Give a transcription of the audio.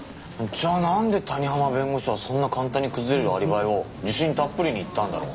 じゃあなんで谷浜弁護士はそんな簡単に崩れるアリバイを自信たっぷりに言ったんだろう？